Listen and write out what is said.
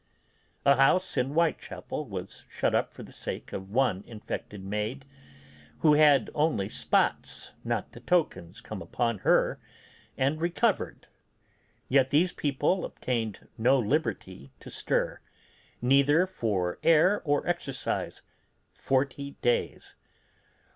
A house in Whitechappel was shut up for the sake of one infected maid, who had only spots, not the tokens come out upon her, and recovered; yet these people obtained no liberty to stir, neither for air or exercise, forty days.